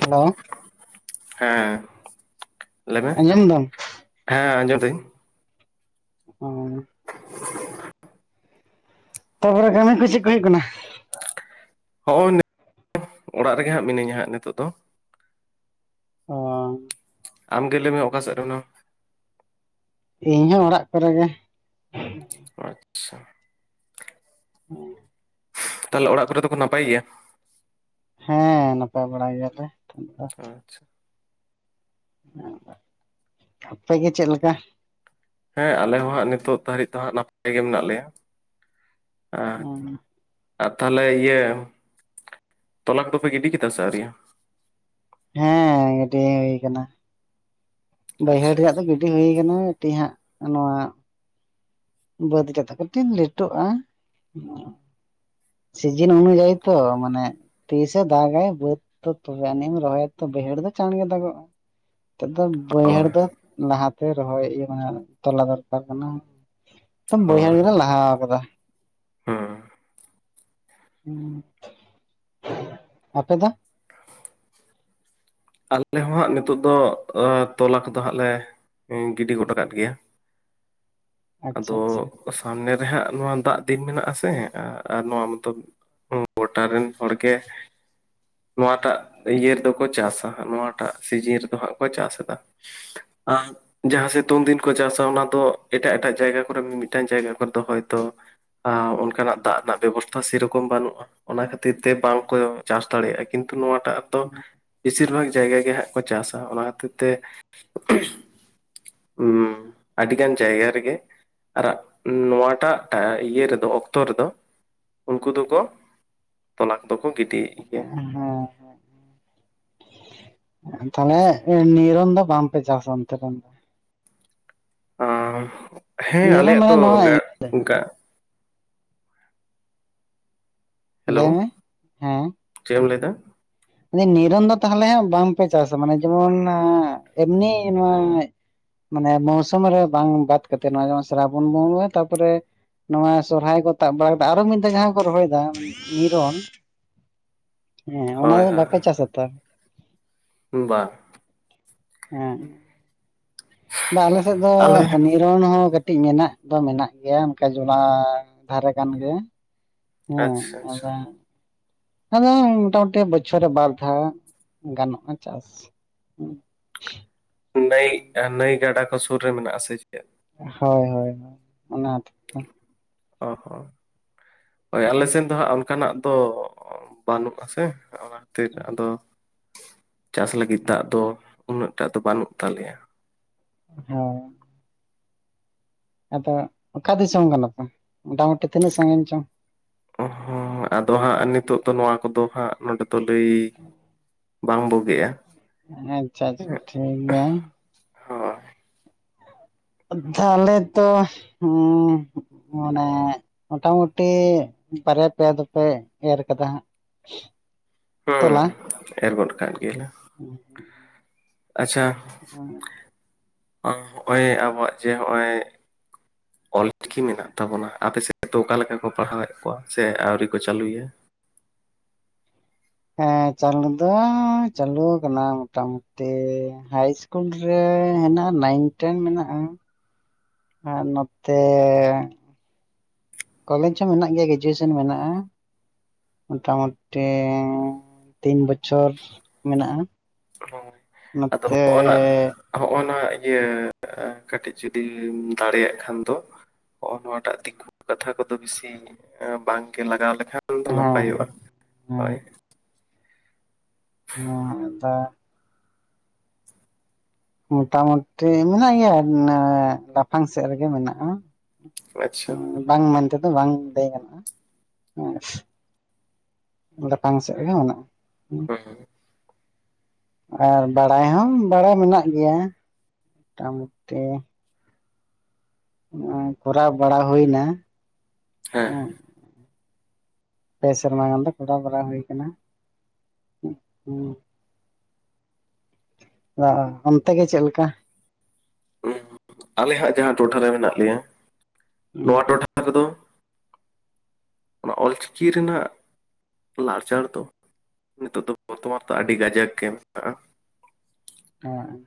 Hello ᱦᱮᱸ ᱞᱟᱹᱭ ᱢᱮ ᱟᱸᱡᱚᱢ ᱫᱟᱢ ᱾ ᱮᱸ ᱟᱸᱡᱚᱢᱮᱫᱟᱹᱧ ᱾ ᱚᱸᱻ, [inaudible] [unintelligible] ᱛᱟᱯᱚᱨᱮ ᱠᱟᱹᱢᱤ ᱠᱚ ᱪᱮᱫ ᱠᱚ? ᱦᱩᱭᱩᱜ ᱠᱟᱱᱟ ᱾ ᱦᱚᱸᱜᱼᱚᱭ ᱱᱤᱛ, ᱚᱲᱟᱜ ᱨᱮᱜᱮ ᱦᱟᱸᱜ ᱢᱤᱱᱟᱹᱧᱟ ᱦᱟᱸᱜ ᱱᱤᱛᱚᱜ ᱫᱚ ᱾ ᱚᱸᱻ ᱾ ᱟᱢ ᱜᱮ ᱞᱟᱹᱭ ᱢᱮ, ᱚᱠᱟ ᱥᱮᱫ ᱨᱮ ᱢᱮᱱᱟᱢᱟ? ᱤᱧ ᱦᱚᱸ, ᱚᱲᱟᱜ ᱠᱚᱨᱮ ᱜᱮ ᱾ ᱪᱚ ᱪ, ᱟᱪᱪᱷᱟ ᱪᱚᱜ ᱾ ᱦᱮᱸ [inaudible] [unintelligible] ᱛᱟᱦᱚᱞᱮ, ᱚᱲᱟᱜ ᱠᱚᱨᱮ ᱫᱚᱠᱚ ᱱᱟᱯᱟᱭ ᱜᱮᱭᱟ? ᱦᱮᱸᱻ, ᱱᱟᱯᱟᱭ ᱵᱟᱲᱟ ᱜᱮᱭᱟᱞᱮ ᱾ ᱟᱪᱪᱷᱟ [inaudible] ᱟᱯᱮᱜᱮ ᱪᱮᱜ ᱞᱮᱠᱟ? ᱦᱮᱸ, ᱟᱞᱮ ᱦᱚᱸ ᱦᱟᱸᱜ ᱱᱤᱛᱳᱜ ᱫᱷᱟᱹᱨᱤᱡ ᱫᱚ ᱦᱟᱸᱜ, ᱱᱟᱯᱟᱭ ᱜᱮ ᱢᱮᱱᱟᱜ ᱞᱮᱭᱟ ᱾ᱟᱸᱼᱦ, ᱾ ᱟᱼ ᱛᱟᱦᱚᱞᱮ ᱤᱭᱟᱹ, ᱛᱚᱞᱟ ᱠᱚᱫᱚ ᱯᱮ ᱜᱤᱰᱤ ᱠᱮᱫᱟ ᱥᱮ ᱟᱹᱣᱨᱤᱭᱟ? ᱦᱮᱸ ᱜᱟᱹᱰᱤ ᱦᱩᱭ ᱟᱠᱟᱱᱟ, ᱵᱟᱹᱭᱦᱟᱹᱲ ᱟᱪᱪᱷᱟ ᱨᱮᱭᱟᱜ ᱫᱚ ᱜᱤ ᱰᱤ ᱦᱩᱭ ᱟᱠᱟᱱᱟ, ᱢᱤᱴᱤᱡ ᱦᱟᱸᱜ ᱱᱚᱣᱟ ᱵᱟᱹᱫᱽ ᱨᱮ ᱫᱚ ᱠᱟᱹᱴᱤᱡ ᱞᱮᱴᱚᱜᱼᱟ ᱾ ᱥᱤᱡᱤᱱ ᱚᱱᱩᱡᱟᱭᱤ ᱛᱚ ᱢᱟᱱᱮ ᱛᱤᱥᱮ ᱫᱟᱜᱟᱭ ᱵᱟᱹᱫ ᱛᱚ ᱛᱚᱵᱮ ᱟᱹᱱᱤᱜ ᱮᱢ ᱨᱚᱦᱚᱭᱟ ᱛᱚ ᱵᱟᱹᱭᱦᱟᱹᱲ ᱫᱚ ᱪᱟᱬᱜᱮ ᱫᱟᱜᱚᱜᱼᱟ᱾ ᱱᱤᱛᱚᱜ ᱫᱚ ᱵᱟᱹᱭᱦᱟᱹᱲ ᱦᱳᱭ ᱫᱚ ᱞᱟᱦᱟᱛᱮ ᱨᱚᱦᱚᱭ ᱤᱭᱟᱹ ᱢᱟᱱᱮ ᱛᱚᱞᱟ ᱫᱚᱨᱠᱟᱨ ᱠᱟᱱᱟ᱾ ᱛᱚᱢ ᱵᱟᱹᱭᱦᱟᱹᱲ ᱦᱳᱭ ᱜᱮᱞᱮ ᱞᱟᱦᱟ ᱠᱟᱫᱟ᱾ ᱦᱩᱸ ᱦᱩ ᱟᱯᱮ ᱫᱚ? ᱟᱞᱮ ᱦᱚᱸ ᱦᱟᱸᱜ ᱱᱤᱛᱚᱜ ᱫᱚ ᱟᱸ ᱛᱚᱞᱟ ᱠᱚᱫᱚ ᱦᱟᱸᱜ ᱞᱮ ᱜᱤᱰᱤ ᱜᱚᱫᱷ ᱟᱠᱟᱫ ᱜᱮᱭᱟ᱾ [inaudible] ᱟᱪᱪᱷᱟ ᱟᱫᱚ ᱟᱪᱪᱷᱟ ᱥᱟᱢᱱᱮ ᱨᱮᱦᱟᱸᱜ ᱱᱚᱣᱟ ᱫᱟᱜᱽ ᱫᱤᱱ ᱢᱮᱱᱟᱜᱼ ᱟ ᱥᱮ ᱟ ᱟᱨ ᱱᱚᱣᱟ ᱢᱚᱛᱚ ᱦᱩ ᱜᱚᱴᱟ ᱨᱮᱱ ᱦᱚᱲ ᱜᱮ ᱱᱚᱣᱟᱴᱟᱜ ᱤᱭᱟᱹ ᱨᱮᱫᱚ ᱠᱚ ᱪᱟᱥᱟ ᱱᱚᱣᱟᱴᱟᱜ ᱥᱤᱡᱤᱱ ᱨᱮᱫᱚ ᱦᱟᱸᱜ ᱠᱚ ᱪᱟᱥ ᱮᱫᱟ ᱟᱨ ᱡᱟᱦᱟᱸ ᱥᱤᱛᱩᱝ ᱫᱤᱱ ᱠᱚ ᱪᱟᱥᱟ ᱚᱱᱟ ᱫᱚ ᱮᱴᱟᱜ ᱮᱴᱟᱜ ᱡᱟᱭᱜᱟ ᱠᱚᱨᱮ ᱢᱤᱼᱢᱤᱫᱴᱟᱱ ᱡᱟᱭᱜᱟ ᱠᱚᱨ ᱫᱚ ᱦᱚᱭᱛᱚ ᱟ ᱚᱱᱠᱟᱱᱟᱜ ᱫᱟᱜᱽ ᱨᱮᱱᱟᱜ ᱵᱮᱵᱚᱥᱛᱷᱟ ᱥᱮᱨᱚᱠᱚᱢ ᱵᱟᱹᱱᱩᱜᱼᱟ᱾ ᱚᱱᱟ ᱠᱷᱟᱹᱛᱤᱨ ᱛᱮ ᱵᱟᱝᱠᱚ ᱪᱟᱥ ᱫᱟᱲᱮᱭᱟᱜᱼᱟ ᱠᱤᱱᱛᱩ ᱱᱚᱶᱟᱴᱟᱜ ᱫᱚ ᱵᱮᱥᱤᱨ ᱵᱷᱟᱜᱽ ᱡᱟᱭᱜᱟ ᱜᱮ ᱦᱟᱸᱜ ᱠᱚ ᱪᱟᱥᱟ ᱚᱱᱟ ᱠᱷᱟᱹᱛᱤᱨ ᱛᱮ ᱦᱩ ᱟᱹᱰᱤᱜᱟᱱ ᱪᱟᱭᱜᱟ ᱨᱮᱜᱮ ᱟᱨᱟᱜ ᱱᱚᱣᱟᱴᱟᱜ ᱴᱟ ᱤᱭᱟᱹ ᱨᱮᱫᱚ ᱚᱠᱛᱚ ᱨᱮᱫᱚ ᱩᱱᱠᱩ ᱫᱚᱠᱚ ᱛᱚᱞᱟ ᱠᱚᱫᱚ ᱠᱚ ᱜᱤᱰᱤᱭᱮᱜ ᱜᱮᱭᱟ᱾ ᱦᱮᱸ ᱦᱮᱸ ᱛᱟᱦᱞᱮ ᱮ ᱱᱤᱨᱚᱱ ᱫᱚ ᱵᱟᱝᱯᱮ ᱪᱟᱥᱟ ᱚᱱᱛᱮ ᱨᱮᱱ ᱫᱚ ᱟᱦ ᱦᱮᱸ ᱱᱤᱨᱚᱱ ᱟᱞᱮᱭᱟᱜ ᱢᱟᱱᱮ ᱫᱚ ᱱᱚᱣᱟ ᱜᱟᱜ ᱜᱟᱜ ᱞᱟᱹᱭ ᱢᱮ ᱦᱮᱸ ᱪᱮᱜ ᱮᱢ ᱞᱟᱭ ᱫᱟ? ᱱᱤᱨᱚᱱ ᱫᱚ ᱛᱟᱦᱚᱞᱮ ᱦᱟᱸᱜ ᱵᱟᱝᱯᱮ ᱪᱟᱥᱟ ᱢᱟᱱᱮ ᱡᱮᱢᱚᱱ ᱮᱢᱱᱤ ᱱᱚᱣᱟ ᱢᱟᱱᱮ ᱢᱳᱣᱥᱚᱢ ᱨᱮ ᱵᱟᱝ ᱵᱟᱛ ᱠᱟᱛᱮᱜ ᱱᱚᱣᱟ ᱡᱮᱢᱚᱱ ᱥᱨᱟᱵᱚᱱ ᱵᱚᱱ ᱨᱚᱦᱚᱭᱟ ᱛᱟᱨᱯᱚᱨᱮ ᱱᱚᱣᱟ ᱥᱚᱨᱦᱟᱭ ᱠᱚ ᱛᱟᱵ ᱵᱟᱲᱟ ᱠᱟᱛᱮᱫ ᱟᱨ ᱦᱚᱸ ᱢᱤᱫ ᱫᱷᱟᱣ ᱡᱟᱦᱟᱸ ᱠᱚ ᱨᱚᱦᱚᱭᱮᱫᱟ ᱱᱤᱨᱚᱱ ᱦᱮᱸ ᱦᱳᱭ ᱦᱳᱭ ᱥᱮᱛᱟ ᱦᱩᱸ ᱵᱟᱝ ᱦᱮᱸ ᱵᱟᱝ ᱟᱞᱮ ᱥᱮᱫᱽ ᱫᱚ ᱟᱞᱮ ᱱᱤ ᱱᱤᱨᱚᱱ ᱦᱚᱸ ᱠᱟᱹᱴᱤᱡᱽ ᱢᱮᱱᱟᱜ ᱫᱚ ᱢᱮᱱᱟᱜ ᱜᱮᱭᱟ ᱚᱱᱠᱟ ᱡᱚᱞᱟ ᱫᱷᱟᱨᱮ ᱠᱟᱱ ᱜᱮᱭᱟ᱾ ᱦᱮᱸ ᱟᱪᱪᱷᱟ ᱟᱪᱪᱷᱟ ᱟᱵᱟᱝ ᱟᱫᱚ ᱢᱚᱴᱟ ᱢᱩᱴᱤ ᱵᱚᱪᱷᱚᱨ ᱨᱮ ᱵᱟᱨ ᱫᱷᱟᱣ ᱜᱟᱱᱚᱜᱼᱟ ᱪᱟᱥ [unintelligible] ᱱᱟᱹᱭ ᱱᱟᱹᱭ ᱜᱟᱰᱟ ᱠᱚ ᱥᱩᱨ ᱨᱮ ᱢᱮᱱᱟᱜ ᱟᱥᱮ ᱪᱮᱫ? ᱦᱳᱭ ᱦᱳᱭ ᱚᱱᱟ [unintelligible] ᱚ ᱦᱚᱸ ᱦᱳᱭ ᱟᱞᱮ ᱥᱮᱱ ᱫᱚ ᱦᱟᱸᱜ ᱚᱱᱠᱟᱱᱟᱜ ᱫᱚ ᱚ ᱵᱟᱹᱱᱩᱜ ᱟᱥᱮ ᱚᱱᱟ ᱠᱷᱟᱹᱛᱤᱨ ᱟᱫᱚ ᱪᱟᱥ ᱞᱟᱹᱜᱤᱫ ᱫᱟᱜᱽ ᱫᱚ ᱩᱱᱟᱹᱜᱴᱟ ᱫᱚ ᱵᱟᱹᱱᱩᱜ ᱛᱟᱞᱮᱭᱟ᱾ [unintelligible] ᱟᱫᱚ ᱚᱠᱟ ᱫᱤᱥᱚᱢ ᱠᱟᱱᱟᱯᱮ ᱢᱚᱴᱟ ᱢᱩᱴᱤ ᱛᱤᱱᱟᱹᱜ ᱥᱟᱺᱜᱤᱧ ᱪᱚᱝ? ᱚᱦᱚᱸ ᱟᱫᱚ ᱦᱟᱸᱜ ᱱᱤᱛᱚᱜ ᱫᱚ ᱱᱚᱣᱟ ᱠᱚᱫᱚ ᱦᱟᱸᱜ ᱱᱚᱸᱰᱮ ᱫᱚ ᱞᱟᱹᱭ ᱵᱟᱝ ᱵᱩᱜᱤᱜᱼᱟ ᱟᱪᱪᱷᱟ ᱟᱪᱪᱷᱟ ᱴᱷᱤᱠ ᱜᱮᱭᱟ᱾ ᱦᱳᱭ ᱛᱟᱦᱚᱞᱮ ᱛᱚ ᱦᱩᱸ ᱢᱟᱱᱮ ᱢᱟᱴᱟ ᱢᱩᱴᱤ ᱵᱟᱨᱭᱟ ᱯᱮᱭᱟ ᱫᱚᱯᱮ ᱮᱨ ᱠᱟᱫᱟ ᱦᱟᱸᱜ ᱛᱚᱞᱟ ᱦᱩᱸ ᱮᱨ ᱜᱚᱫ ᱠᱟᱫ ᱜᱮᱭᱟ ᱞᱮ ᱟᱪᱪᱷᱟ [unintelligible] ᱟᱸ ᱦᱚᱸᱜᱼᱚᱭ ᱟᱵᱚᱣᱟᱜ ᱡᱮ ᱦᱚᱸᱜᱼᱚᱭ [inaudible] ᱚᱞ ᱪᱤᱠᱤ ᱢᱮᱱᱟᱜ ᱛᱟᱵᱚᱱᱟ ᱟᱯᱮ ᱥᱮᱫ ᱫᱚ ᱚᱠᱟ ᱞᱮᱠᱟ ᱠᱚ ᱯᱟᱲᱦᱟᱣᱮᱫ ᱠᱚᱣᱟ, ᱥᱮ ᱟᱹᱣᱨᱤ ᱠᱚ ᱪᱟᱹᱞᱩᱭᱟ? ᱦᱮᱸ ᱪᱟᱹᱞᱩ ᱫᱚ ᱪᱟᱹᱞᱩ ᱟᱠᱟᱱᱟ ᱢᱚᱴᱟ ᱢᱩᱴᱤ ᱦᱟᱭ ᱤᱥᱼᱼ ᱠᱩᱞ ᱨᱮ ᱦᱮᱱᱟᱜᱼᱟ, ᱱᱟᱭᱤᱱ ᱴᱮᱱ ᱢᱮᱱᱟᱜᱼᱟ ᱾ ᱦᱟᱸᱜ ᱱᱚᱛᱮᱼᱼ ᱠᱚᱞᱮᱡᱽ ᱦᱚᱸ ᱢᱮᱱᱟᱜ ᱜᱮᱭᱟ ᱜᱨᱮᱡᱩᱭᱮᱥᱚᱱ ᱢᱮᱱᱟᱜᱼᱟ ᱾ ᱢᱚᱴᱟ ᱢᱩᱴᱤ ᱛᱤᱱ ᱵᱚᱪᱷᱚᱨ ᱢᱮᱱᱟᱜᱼᱟ ᱾ ᱳ ᱟᱫᱚ ᱦᱚᱜᱼ ᱱᱟ [unintelligible] ᱱᱚᱜᱼᱚ ᱱᱟ ᱤᱭᱟᱹ ᱠᱟᱹᱴᱤᱡ ᱡᱩᱫᱤᱢ ᱫᱟᱲᱮᱭᱟᱜ ᱠᱷᱟᱱ ᱫᱚ ᱾ ᱱᱚᱜᱼᱚ ᱱᱚᱣᱟᱴᱟᱜ ᱫᱤᱠᱩ ᱠᱟᱛᱷᱟ ᱠᱚᱫᱚ ᱵᱤᱥᱤ ᱮᱸ ᱵᱟᱝᱜᱮ ᱞᱟᱜᱟᱣ ᱞᱮᱠᱷᱟᱱᱼᱼ ᱠᱷᱟᱱ ᱫᱚ ᱦᱮᱸ ᱱᱟᱯᱟᱭᱚᱜᱼᱟ, ᱦᱮᱸ ᱦᱳᱭᱼᱼ ᱦᱚᱸ ᱟᱫᱚᱼᱼ ᱢᱚᱴᱟᱢᱩᱴᱤ ᱢᱮᱱᱟᱜ ᱜᱮᱭᱟ [unintelligible] ᱞᱟᱯᱷᱟᱝ ᱥᱮᱫ ᱨᱮᱜᱮ ᱢᱮᱱᱟᱜᱼᱟ ᱾ ᱟᱪᱪᱷᱟ ᱾ ᱵᱟᱝ ᱢᱮᱱ ᱛᱮᱫᱚ ᱵᱟᱝ ᱞᱟᱹᱭ ᱜᱟᱱᱚᱜᱼᱟ, ᱦᱚᱸ [unintelligible] ᱞᱟᱯᱷᱟᱝ ᱥᱮᱫ ᱨᱮᱜᱮ ᱢᱮᱱᱟᱜᱼᱟ, ᱦᱩᱸᱼᱼ ᱦᱩᱸ, ᱟᱨ ᱵᱟᱲᱟᱭ ᱦᱚᱸ ᱵᱟᱲᱟᱭ ᱢᱮᱱᱟᱜ ᱜᱮᱭᱟ ᱢᱚᱴᱟᱢᱩᱴᱤ ᱾ ᱱᱚᱜ-ᱚᱭ ᱠᱚᱨᱟᱣ ᱵᱟᱲᱟ ᱦᱩᱭᱮᱱᱟ, ᱦᱮᱸ ᱦᱮᱸᱼᱼ ᱯᱮ ᱥᱮᱨᱢᱟ ᱜᱟᱱ ᱫᱚ ᱠᱚᱨᱟᱣ ᱵᱟᱨᱟ ᱦᱩᱭ ᱟᱠᱟᱱᱟ ᱾ ᱟᱫᱚ [unintelligible] ᱚᱱᱛᱮ ᱜᱮ ᱪᱮᱫᱞᱮᱠᱟ? ᱩᱸ ᱟᱞᱮ ᱦᱟᱸᱜ ᱡᱟᱦᱟᱸ ᱴᱚᱴᱷᱟ ᱨᱮ ᱢᱮᱱᱟᱜ ᱞᱮᱭᱟ, ᱦᱮᱸ ᱱᱚᱣᱟ ᱴᱚᱴᱷᱟᱼᱼ ᱨᱮᱫᱚ ᱚᱱᱟ [unintelligible] ᱚᱞᱪᱤᱠᱤ ᱨᱮᱱᱟᱜᱼᱼ ᱞᱟᱲᱪᱟᱲ ᱫᱚ, ᱱᱤᱛᱚᱜ ᱫᱚ ᱵᱚᱨᱛᱚᱢᱟᱱ ᱫᱚ ᱟᱹᱰᱤ ᱠᱟᱡᱟᱠ ᱜᱮ ᱢᱮᱱᱟᱜᱼᱟ ᱾ ᱦᱮᱸ ᱾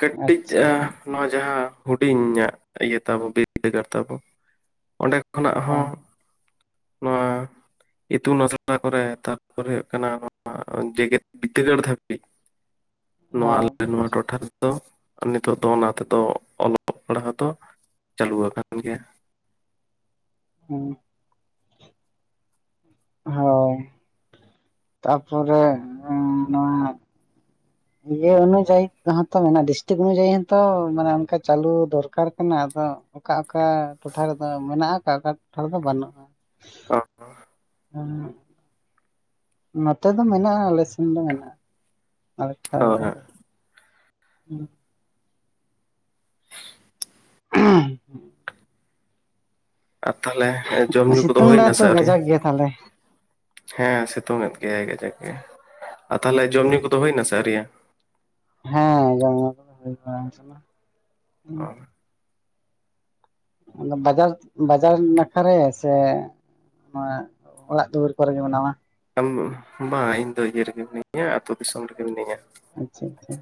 ᱠᱟᱹᱴᱤᱡ ᱟᱪᱪᱷᱟ ᱟᱼᱼ ᱱᱚᱣᱟ ᱡᱟᱦᱟᱸ ᱦᱩᱰᱤᱧᱟᱜ ᱤᱭᱟᱹ ᱛᱟᱵᱚ ᱵᱤᱨᱫᱟᱹᱜᱟᱲ ᱛᱟᱵᱚ, ᱚᱸᱰᱮᱼᱼ ᱠᱷᱚᱱᱟᱜ ᱦᱚ, ᱦᱳᱭ ᱸ ᱱᱚᱣᱟᱼᱼ ᱤᱛᱩᱱ ᱟᱥᱲᱟ ᱠᱚᱨᱮ ᱛᱟᱨᱯᱚᱨ ᱦᱩᱭᱩᱜ ᱠᱟᱱᱟ ᱱᱚᱣᱟ ᱾ [unintelligible] ᱡᱮᱜᱮᱫ ᱵᱤᱫᱽᱫᱟᱹᱜᱟᱲ ᱫᱷᱟᱹᱵᱤᱡ ᱱᱚᱣᱟ ᱟᱞᱮ ᱱᱚᱣᱟ ᱴᱚᱴᱷᱟᱼᱼ ᱫᱚ, ᱱᱤᱛᱚᱜ ᱫᱚ ᱚᱱᱟ ᱛᱮᱫᱚ ᱚᱞᱚᱜ ᱯᱟᱲᱦᱟᱣ ᱫᱚ ᱪᱟᱹᱞᱩ ᱟᱠᱟᱱ ᱜᱮᱭᱟ ᱾ ᱦᱮᱸ [unintelligible] ᱦᱳᱭ, ᱛᱟᱨᱯᱚᱨᱮ ᱚᱸ ᱱᱚᱣᱟᱼᱼ ᱤᱭᱟᱹ ᱚᱱᱩᱡᱟᱭᱤ ᱦᱚᱸᱛᱚ ᱢᱮᱱᱟᱜᱼᱟ, ᱰᱤᱥᱴᱤᱠ ᱚᱱᱩᱡᱟᱭᱤ ᱦᱚᱸᱛᱚ ᱢᱟᱱᱮ ᱚᱱᱠᱟ ᱪᱟᱹᱞᱩ ᱫᱚᱨᱠᱟᱨ ᱠᱟᱱᱟ ᱟᱫᱚ ᱾ ᱚᱠᱟ ᱚᱠᱟ ᱴᱚᱴᱷᱟ ᱨᱮᱫᱚ ᱢᱮᱱᱟᱜᱼᱟ, ᱚᱠᱟ ᱚᱠᱟ ᱴᱚᱴᱷᱟ ᱨᱮᱫᱚ ᱵᱟᱹᱱᱩᱜᱼᱟ ᱾ [unintelligible] ᱦᱩᱸ ᱾ ᱱᱚᱛᱮ ᱫᱚ ᱢᱮᱱᱟᱜᱼᱟ ᱟᱞᱮ ᱥᱮᱱ ᱫᱚ ᱢᱮᱱᱟᱜᱼᱟ, ᱟᱞᱮ ᱴᱚᱴᱷᱟ ᱨᱮᱫᱚ ᱦᱳᱭ ᱾ ᱦᱩᱸ ᱾ ᱦᱮᱸ [unintelligible] ᱟᱨ ᱛᱟᱦᱚᱞᱮ ᱡᱚᱢ ᱧᱩ ᱠᱚᱫᱚ ᱥᱤᱛᱩᱝ ᱦᱩᱭ ᱫᱟᱭ ᱛᱚ ᱱᱟᱥᱮ ᱟᱹᱣᱨᱤᱭᱟ? ᱠᱟᱡᱟᱠ ᱜᱮ ᱛᱟᱦᱚᱞᱮ ᱦᱮᱸ ᱥᱤᱛᱩᱝ ᱮᱫ ᱜᱮᱭᱟᱭ ᱠᱟᱡᱟᱠ ᱜᱮ, ᱟᱨ ᱛᱟᱦᱚᱞᱮ ᱡᱚᱢ ᱧᱩ ᱠᱚᱫᱚ ᱦᱩᱭ ᱱᱟᱥᱮ ᱟᱹᱣᱨᱤᱭᱟ? ᱦᱮᱸ ᱡᱚᱢ ᱧᱩ ᱦᱩᱭ ᱵᱟᱲᱟ ᱠᱟᱱᱟ ᱾ ᱚ ᱵᱟᱡᱟᱨ ᱵᱟᱡᱟᱨ ᱱᱟᱠᱷᱟ ᱨᱮ ᱥᱮᱼᱼ ᱱᱚᱣᱟ ᱚᱲᱟᱜ ᱫᱩᱣᱟᱹᱨ ᱠᱚᱨᱮᱜᱮ ᱢᱟᱱᱟᱣᱟ ᱾ [unintelligible] ᱵᱟᱝ ᱤᱧ ᱫᱚ ᱤᱭᱟᱹ ᱨᱮᱜᱮ ᱢᱤᱱᱟᱹᱧᱟ, ᱟᱹᱛᱩ ᱫᱤᱥᱚᱢ ᱨᱮᱜᱮ ᱢᱤᱱᱟᱹᱧᱟ ᱾ ᱟᱪᱪᱷᱟ ᱟᱪᱪᱷᱟ,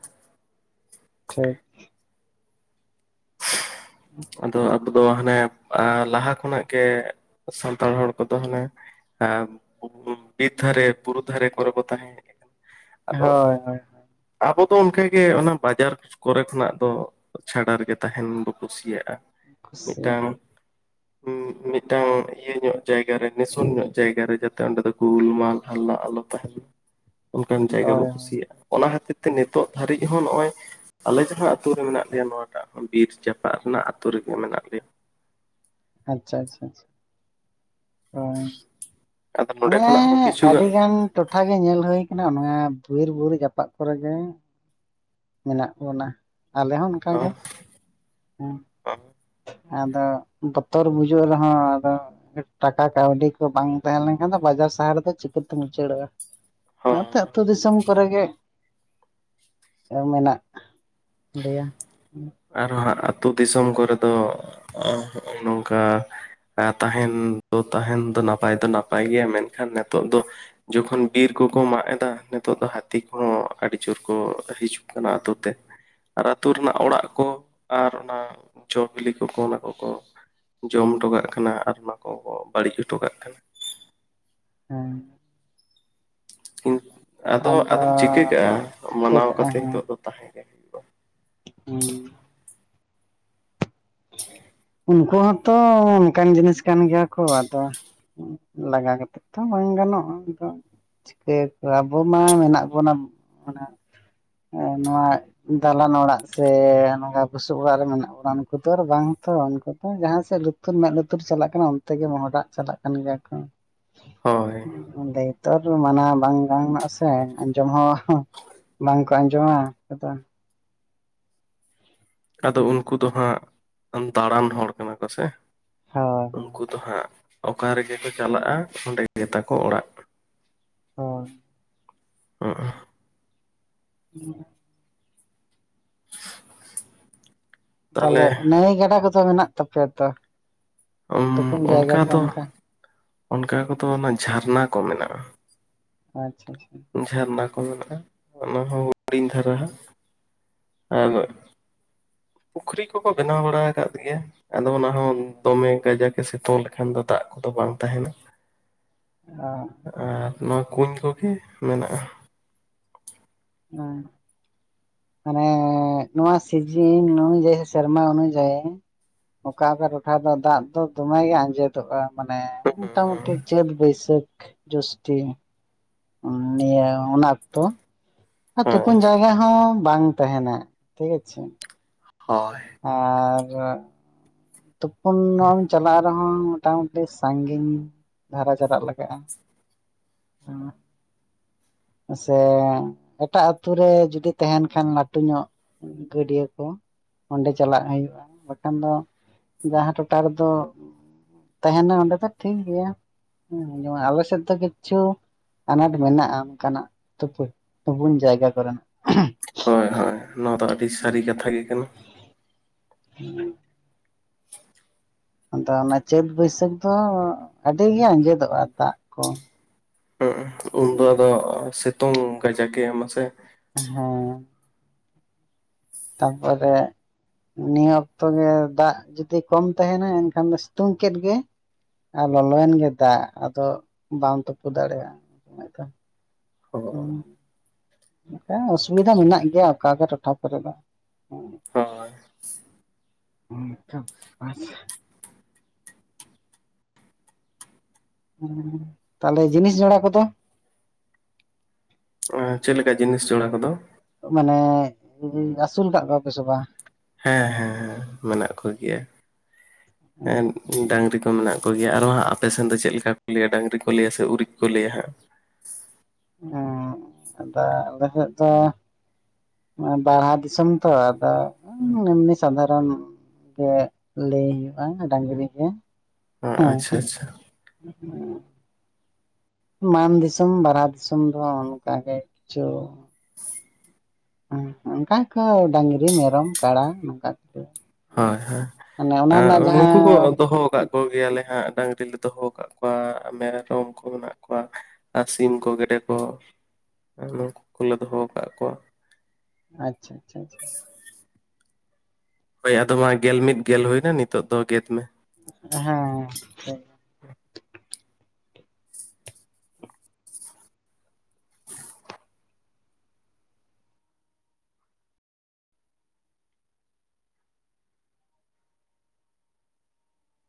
ᱴᱷᱤᱠ ᱾ ᱟᱫᱚ ᱟᱵᱚ ᱫᱚ ᱦᱟᱱᱮ ᱟᱸ ᱞᱟᱦᱟ ᱠᱷᱚᱱᱟᱜ ᱜᱮ ᱥᱟᱱᱛᱟᱲ ᱦᱚᱲ ᱠᱚᱫᱚ ᱦᱟᱱᱮᱼᱼ [unintelligible] ᱵᱤᱨ ᱫᱷᱟᱨᱮ ᱵᱩᱨᱩ ᱫᱷᱟᱨᱮ ᱠᱚᱨᱮ ᱠᱚ ᱛᱟᱦᱮᱸ ᱦᱮᱼᱼ ᱟᱫᱚ, ᱦᱳᱭ ᱦᱳᱭ ᱟᱵᱚ ᱫᱚ ᱚᱱᱠᱟᱜᱮ ᱚᱱᱟ ᱵᱟᱡᱟᱨ ᱠᱚᱨᱮ ᱠᱷᱚᱱᱟᱜ ᱫᱚᱼᱼ ᱪᱷᱟᱰᱟ ᱨᱮᱜᱮ ᱛᱟᱸᱦᱮᱱ ᱵᱚ ᱠᱩᱥᱤᱭᱟᱜᱼᱟ, ᱠᱩᱥᱤ ᱢᱤᱫᱴᱟᱝᱼᱼ ᱢᱤᱫᱴᱟᱝ ᱤᱭᱟᱹ ᱧᱚᱜ ᱡᱟᱭᱜᱟ ᱨᱮ ᱱᱤᱥᱚᱱ ᱧᱚᱜ ᱡᱟᱭᱜᱟᱮ ᱡᱟᱛᱮ ᱚᱸᱰᱮ ᱫᱚ ᱜᱳᱞᱢᱟᱞ ᱦᱟᱢᱞᱟ ᱟᱞᱚ ᱛᱟᱦᱮᱱ ᱚᱱᱠᱟᱱ ᱡᱟᱭᱜᱟ ᱵᱚ ᱦᱳᱭ ᱦᱳᱭ ᱠᱩᱥᱤᱭᱟᱜᱼᱟ ᱚᱱᱟ ᱠᱷᱟᱹᱛᱤᱨ ᱛᱮ ᱦᱳᱭ ᱱᱤᱛᱚᱜ ᱫᱷᱟᱹᱨᱤᱡ ᱦᱚᱸ ᱱᱚᱜᱼᱚᱭ ᱟᱞᱮ ᱡᱟᱦᱟᱸ ᱟᱛᱩ ᱨᱮ ᱢᱮᱱᱟᱜ ᱞᱮᱭᱟ ᱱᱚᱣᱟᱴᱟᱜ ᱵᱤᱨ ᱡᱟᱯᱟᱜ ᱨᱮᱱᱟᱜ ᱟᱹᱛᱩ ᱨᱮᱜᱮ ᱢᱮᱱᱟᱜ ᱞᱮᱭᱟ ᱟᱪᱪᱷᱟ ᱪᱷᱟ ᱪᱷᱟ ᱚ ᱟᱫᱚ ᱱᱚᱸᱰᱮ ᱢᱟᱱᱮ ᱠᱷᱚᱱᱟᱜ ᱦᱚᱸ ᱠᱤᱪᱷᱩ ᱟᱹᱰᱤ ᱜᱟᱱ ᱴᱚᱴᱷᱟ ᱜᱮ ᱧᱮᱞ ᱦᱳᱭ ᱠᱟᱱᱟ ᱱᱚᱣᱟ ᱵᱤᱨᱵᱩᱨᱩ ᱡᱟᱯᱟᱜ ᱠᱚᱨᱮ ᱜᱮ ᱢᱮᱱᱟᱜ ᱵᱚᱱᱟ ᱟᱞᱮ ᱦᱚᱸ ᱚᱱᱠᱟᱜᱮ ᱦᱮᱸ ᱦᱚᱸ ᱟᱫᱚ ᱵᱚᱛᱚᱨ ᱵᱩᱡᱩᱜ ᱨᱮᱦᱚᱸ ᱟᱫᱚ ᱴᱟᱠᱟ ᱠᱟᱹᱣᱰᱤ ᱠᱚ ᱵᱟᱝ ᱛᱟᱦᱮᱸ ᱞᱮᱱᱠᱷᱟᱱ ᱫᱚ ᱵᱟᱡᱟᱨ ᱥᱟᱦᱟᱨ ᱨᱮᱫᱚ ᱪᱤᱠᱟᱹᱛᱮᱢ ᱩᱪᱟᱹᱲᱚᱜᱼᱟ ᱦᱚᱸ ᱚᱱᱟᱛᱮ ᱟᱹᱛᱩ ᱫᱤᱥᱚᱢ ᱠᱚᱨᱮ ᱜᱮ ᱢᱮᱱᱟᱜ ᱞᱮᱭᱟ ᱦᱩ ᱟᱨᱦᱚ ᱦᱟᱜ ᱟᱹᱛᱩ ᱫᱤᱥᱚᱢ ᱠᱚᱨᱮ ᱫᱚ ᱦᱚᱜ ᱱᱚᱝᱠᱟ ᱮ ᱛᱟᱦᱮᱱ ᱫᱚ ᱛᱟᱦᱮᱱ ᱫᱚ ᱱᱟᱯᱟᱭ ᱫᱚ ᱱᱟᱯᱟᱭ ᱜᱮᱭᱟ ᱢᱮᱱᱠᱷᱟᱱ ᱱᱮᱛᱚᱜ ᱫᱚ ᱡᱚᱠᱷᱚᱱ ᱵᱤᱨ ᱠᱚᱠᱚ ᱢᱟᱜ ᱮᱫᱟ ᱱᱤᱛᱚᱜ ᱫᱚ ᱦᱟᱹᱛᱤ ᱠᱚᱦᱚᱸ ᱟᱹᱰᱤ ᱡᱳᱨ ᱠᱚ ᱦᱤᱡᱩᱜ ᱠᱟᱱᱟ ᱟ ᱟᱛᱳ ᱛᱮ ᱟᱨ ᱟᱹᱛᱩ ᱨᱮᱱᱟᱜ ᱚᱲᱟᱜ ᱠᱚ ᱟᱨ ᱚᱱᱟ ᱡᱚ ᱵᱤᱞᱤ ᱠᱚᱠᱚ ᱚᱱᱟ ᱠᱚᱠᱚ ᱡᱚᱢ ᱴᱚᱠᱟᱜ ᱠᱟᱱᱟ ᱟᱨ ᱚᱱᱟ ᱠᱚ ᱠᱚ ᱵᱟᱹᱲᱤᱡ ᱦᱚᱴᱚᱠᱟᱜ ᱠᱟᱱᱟ ᱦᱩᱸ ᱠᱤᱱ ᱟᱫᱚ ᱟᱫᱚᱢ ᱪᱤᱠᱟᱹ ᱠᱟᱜᱼᱟ ᱪᱤᱠᱟᱹ ᱢᱟᱱᱟᱣ ᱠᱟᱜᱼᱟ ᱠᱟᱛᱮ ᱱᱤᱛᱚᱜ ᱫᱚ ᱛᱟᱦᱮᱸ ᱜᱮ ᱦᱩᱭᱩᱜᱼᱟ᱾ ᱦᱩᱸ ᱩᱱᱠᱩ ᱦᱚᱸᱛᱚ ᱚᱱᱠᱟᱱ ᱡᱤᱱᱤᱥ ᱠᱟᱱ ᱜᱮᱭᱟ ᱠᱚ ᱟᱫᱚ ᱞᱟᱜᱟ ᱠᱟᱛᱮᱜ ᱛᱚ ᱵᱟᱝ ᱜᱟᱱᱚᱜᱼᱟ ᱟᱫᱚ ᱪᱤᱠᱟᱹᱭᱟ ᱠᱚ ᱟᱵᱚ ᱢᱟ ᱢᱮᱱᱟᱜ ᱵᱚᱱᱟ ᱚᱱᱟ ᱮ ᱱᱚᱣᱟ ᱫᱟᱞᱟᱱ ᱚᱲᱟᱜ ᱥᱮ ᱱᱚᱠᱟ ᱵᱩᱥᱩᱵ ᱚᱲᱟᱜ ᱨᱮ ᱢᱮᱱᱟᱜ ᱵᱚᱱᱟ ᱱᱩᱠᱩ ᱫᱚ ᱟᱨ ᱵᱟᱝ ᱛᱚ ᱵᱟᱝ ᱩᱱᱠᱩ ᱫᱚ ᱡᱟᱦᱟᱸ ᱥᱮᱫ ᱞᱩᱛᱩᱨ ᱢᱮᱫ ᱞᱩᱛᱩᱨ ᱪᱟᱞᱟᱜ ᱠᱟᱱᱟ ᱚᱱᱛᱮ ᱜᱮ ᱢᱚᱦᱰᱟᱜ ᱪᱟᱞᱟᱜ ᱠᱟᱱ ᱜᱮᱭᱟ ᱠᱚ᱾ ᱦᱳᱭ ᱞᱟᱹᱭ ᱛᱚᱨ ᱢᱟᱱᱟ ᱵᱟᱝ ᱜᱟᱱᱚᱜ ᱟᱥᱮ ᱟᱸᱡᱚᱢ ᱦᱚᱸᱼᱼ ᱵᱟᱝᱠᱚ ᱟᱸᱡᱚᱢᱟ ᱟ ᱩᱱᱠᱩᱫᱚ ᱟᱫᱚ ᱩᱱᱠᱩ ᱫᱚ ᱦᱟᱸᱜ ᱫᱟᱬᱟᱱ ᱦᱚᱲ ᱠᱟᱱᱟ ᱠᱚᱥᱮ ᱦᱳᱭ ᱦᱳᱭ ᱩᱱᱠᱩ ᱫᱚ ᱦᱟᱸᱜ ᱚᱠᱟ ᱨᱮᱜᱮ ᱠᱚ ᱪᱟᱞᱟᱜᱼᱟ ᱚᱸᱰᱮ ᱜᱮᱛᱟ ᱠᱚ ᱚᱲᱟᱜ᱾ ᱦᱚᱭ [unintelligible] [unintelligible] ᱛᱟᱞᱮ ᱛᱟᱦᱚᱞᱮ ᱱᱟᱹᱭ ᱜᱟᱰᱟ ᱠᱚᱫᱚ ᱢᱮᱱᱟᱜ ᱛᱟᱯᱮᱭᱟ ᱛᱚ? ᱟ. ᱢ ᱛᱩᱯᱩᱱ ᱡᱟᱭᱜᱟ ᱚᱱᱠᱟ ᱠᱚ ᱫᱚ ᱚᱱᱠᱟ ᱠᱚᱫᱚ ᱚᱱᱟ ᱡᱷᱟᱨᱱᱟ ᱠᱚ ᱢᱮᱱᱟᱜᱼᱟ᱾ ᱟᱪᱪᱷᱟ ᱪᱷᱟ᱾ ᱡᱷᱟᱨᱱᱟ ᱠᱚ ᱢᱮᱱᱟᱜᱼᱟ ᱚᱱᱟ ᱦᱚᱸ ᱦᱩᱰᱤᱧ ᱫᱷᱟᱨᱟ ᱟᱜ ᱟᱨᱼᱼ ᱯᱩᱠᱷᱨᱤ ᱠᱚᱠᱚ ᱵᱮᱱᱟᱣ ᱵᱟᱲᱟ ᱠᱟᱫ ᱜᱮᱭᱟ᱾ ᱟᱫᱚ ᱚᱱᱟ ᱦᱚᱸ ᱫᱚᱢᱮ ᱠᱟᱡᱟᱠᱮ ᱥᱤᱛᱩᱝ ᱞᱮᱠᱷᱟᱱ ᱫᱚ ᱫᱟᱜ ᱠᱚᱫᱚ ᱵᱟᱝ ᱛᱟᱦᱮᱱᱟ᱾ ᱚ ᱟᱨ ᱱᱚᱣᱟ ᱠᱩᱧ ᱠᱚᱜᱮ ᱢᱮᱱᱟᱜᱼᱟ᱾ ᱚ ᱢᱟᱱᱮ ᱱᱚᱣᱟ ᱥᱤᱡᱤᱱ ᱱᱩᱭᱡᱮᱥᱮ ᱨᱮᱢᱟ ᱚᱱᱩᱡᱟᱭᱤ ᱚᱠᱟ ᱚᱠᱟ ᱴᱚᱴᱷᱟ ᱫᱚ ᱫᱟᱜ ᱫᱚ ᱫᱚᱢᱮ ᱜᱮ ᱟᱸᱡᱮᱫ ᱛᱚᱜᱼᱟ ᱢᱟᱱᱮ ᱢᱚᱴᱟᱢᱩᱴᱤ ᱪᱟᱹᱛ ᱵᱟᱹᱭᱥᱟᱹᱠᱷ ᱡᱳᱥᱴᱤ ᱚ ᱱᱤᱭᱟᱹ ᱚᱱᱟ ᱚᱠᱛᱚ ᱟᱨ ᱦᱮᱸ ᱛᱩᱯᱩᱱ ᱡᱟᱭᱜᱟ ᱦᱚᱸ ᱵᱟᱝ ᱛᱟᱦᱮᱱᱟ ᱴᱷᱤᱠ ᱟᱪᱷᱮ᱾ ᱦᱚᱭ ᱟᱨ ᱛᱩᱯᱩᱱ ᱮᱢ ᱪᱟᱞᱟᱜᱼᱟᱼᱼ ᱨᱮᱦᱚᱸ ᱢᱚᱴᱟᱢᱩᱴᱤ ᱥᱟᱺᱜᱤᱧ ᱫᱷᱟᱨᱟ ᱪᱟᱞᱟᱜ ᱞᱟᱜᱟᱜᱼᱟᱼᱼ [inaudible] ᱥᱮ ᱮᱴᱟᱜ ᱟᱛᱩᱨ ᱨᱮ ᱡᱩᱫᱤ ᱛᱟᱦᱮᱱ ᱠᱷᱟᱱ ᱞᱟᱹᱴᱩ ᱧᱚᱜᱼᱼ ᱜᱟᱹᱰᱭᱟᱹ ᱠᱚ ᱚᱸᱰᱮ ᱪᱟᱞᱟᱜ ᱦᱩᱭᱩᱜᱼᱟ᱾ ᱵᱟᱠᱷᱟᱱ ᱫᱚᱼᱼ [unintelligible] ᱡᱟᱦᱟᱸ ᱴᱚᱴᱷᱟ ᱨᱮᱫᱚ ᱛᱟᱦᱮᱱᱟ ᱚᱸᱰᱮ ᱫᱚ ᱴᱷᱤᱠ ᱜᱮᱭᱟ᱾ ᱦᱮᱸ ᱡᱮᱢᱚᱱ ᱟᱞ ᱥᱮ ᱫᱚ ᱠᱤᱪᱷᱩᱼᱼ ᱟᱱᱟᱴ ᱢᱮᱱᱟᱜᱼᱟ ᱚᱱᱠᱟᱱᱟᱜ ᱛᱩᱯ ᱛᱩᱯᱩᱱ ᱢᱟᱭᱜᱟ ᱠᱚᱨᱮᱱᱟᱼᱜ᱾ ᱦᱳᱭ ᱦᱳᱭ ᱱᱚᱣᱟ ᱫᱚ ᱟᱹᱰᱤ ᱥᱟᱹᱨᱤ ᱠᱟᱛᱷᱟ ᱜᱮ ᱠᱟᱱᱟ᱾ [inaudible] ᱟᱫᱚ ᱚᱱᱮ ᱪᱟᱹᱛ ᱵᱟᱹᱭᱥᱟᱹᱠᱷ ᱫᱚ ᱟᱹᱰᱤ ᱜᱮ ᱟᱸᱡᱮᱫᱚᱜᱼᱟ, ᱫᱟᱜ ᱠᱚ᱾ [unintelligible] ᱩᱱᱫᱚ ᱟᱫᱚ ᱥᱤᱛᱩᱝ ᱠᱟᱡᱟᱠ ᱜᱮ ᱢᱟᱥᱮ [inaudible] ᱛᱟ ᱯᱚᱨᱮ ᱱᱤᱭᱟᱹ ᱚᱠᱛᱚ ᱜᱮ ᱫᱟᱜ ᱡᱩᱫᱤ ᱠᱚᱢ ᱛᱟᱦᱮᱱᱟ᱾ ᱮᱱᱠᱷᱟᱱ ᱫᱚ ᱥᱤᱛᱩᱝ ᱠᱮᱫ ᱜᱮ ᱟᱨ ᱞᱚᱞᱚᱭᱮᱱ ᱜᱮ ᱫᱟᱜ ᱟᱫᱚ ᱵᱟᱢ ᱛᱩᱯᱩ ᱫᱟᱲᱮᱭᱟᱜᱼᱟ᱾ [unintelligible] ᱦᱳᱭ [inaudible] ᱱᱚᱝᱠᱟ ᱚᱥᱩᱵᱤᱫᱷᱟ ᱢᱮᱱᱟᱜ ᱜᱮᱭᱟ ᱚᱠᱟ [unintelligible] ᱴᱚᱴᱷᱟ ᱠᱚᱨᱮ ᱫᱚ᱾ ᱦᱳᱭ [unintelligible] [unintelligible] ᱛᱟᱦᱚᱞᱮ ᱡᱤᱱᱤᱥ ᱡᱚᱲᱟ ᱠᱚᱫᱚ? ᱪᱮᱫ ᱞᱮᱠᱟ ᱡᱤᱱᱤᱥ ᱡᱚᱲᱟ ᱠᱚᱫᱚ? ᱢᱟᱱᱮ [unintelligible] ᱟᱹᱥᱩᱞ ᱠᱟᱜ ᱠᱚᱣᱟ ᱯᱮᱥᱮ ᱵᱟᱝ? ᱦᱮᱸ ᱦᱮᱸ ᱦᱮᱸᱼ ᱢᱮᱱᱟᱜ ᱠᱚᱜᱮᱭᱟ ᱾ ᱮᱱ ᱰᱟᱹᱟᱝᱨᱤ ᱠᱚ ᱢᱮᱱᱟᱜ ᱠᱚᱜᱮᱭᱟ ᱾ ᱟᱨᱚ ᱦᱟᱸᱜ ᱟᱯᱮ ᱥᱮᱱ ᱫᱚ ᱪᱮᱫ ᱞᱮᱠᱟ ᱠᱚ ᱞᱟᱹᱭᱟ᱾ ᱰᱟᱹᱟᱝᱨᱤ ᱠᱚ ᱞᱟᱹᱭᱟ ᱥᱮ ᱩᱨᱤᱡ ᱠᱚ ᱞᱟᱹᱭᱟ ᱦᱟᱸᱜᱼᱼ [unintelligible] ᱟᱫᱚ ᱟᱞᱮᱥᱮᱫ ᱫᱚ ᱵᱟᱲᱦᱟ ᱫᱤᱥᱚᱢ ᱛᱚ, ᱟᱫᱚ ᱮᱢᱱᱤ ᱥᱟᱫᱷᱟᱨᱚᱱᱼᱼ ᱜᱮ ᱞᱟᱹᱭ ᱦᱩᱭᱩᱜᱼᱟ᱾ ᱰᱟᱝᱨᱤ ᱜᱮ᱾ ᱟᱸ ᱦᱮᱸ ᱟᱪᱪᱷᱟ - ᱟᱪᱪᱷᱟ [inaudible] ᱢᱟᱱ ᱫᱤᱥᱚᱢ, ᱵᱟᱨᱟᱫ ᱫᱤᱥᱚᱢ, ᱫᱚ ᱚᱱᱠᱟᱜᱮ ᱠᱤᱪᱷᱩ ᱦᱮᱸ ᱚᱱᱠᱟ ᱠᱚ ᱰᱟᱹᱝᱨᱤ, ᱢᱮᱨᱚᱢ, ᱠᱟᱲᱟ, ᱱᱚᱝᱠᱟ ᱦᱳᱭ ᱢᱟᱱᱮ - ᱚᱱᱟ ᱨᱮᱱᱟᱜ ᱦᱳᱭ ᱱᱩᱠᱩ ᱠᱚ ᱡᱟᱦᱟᱸ ᱫᱚᱦᱚ ᱟᱠᱟᱫ ᱠᱚ ᱜᱮᱭᱟᱞᱮ ᱦᱟᱸᱜ ᱰᱟᱹᱝᱨᱤ ᱞᱮ ᱫᱚᱦᱚ ᱟᱠᱟᱜ ᱠᱚᱣᱟ᱾ ᱢᱮᱨᱚᱢ ᱠᱚ ᱢᱮᱱᱟᱜ ᱠᱚᱣᱟ ᱟᱨ ᱥᱤᱢ ᱠᱚ ᱜᱮᱰᱮ ᱠᱚ ᱱᱩᱠᱩ ᱠᱚᱞᱮ ᱫᱚᱦᱚ ᱠᱟᱜ ᱠᱚᱣᱟ᱾ ᱟᱪᱪᱷᱟ - ᱟᱪᱪᱷᱟ ᱪᱷᱟ ᱪᱷᱟ᱾ ᱦᱳᱭ ᱟᱫᱚ ᱢᱟ ᱜᱮᱞ ᱢᱤᱫ ᱜᱮᱞ ᱦᱩᱭ ᱮᱱᱟ ᱱᱤᱛᱚᱜ ᱫᱚ ᱜᱮᱫ ᱢᱮ ᱦᱮᱸ ᱛᱟᱹᱭ